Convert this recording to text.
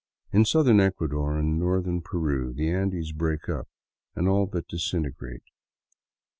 In southern Ecuador and northern Peru the Andes break up and all but disinte grate.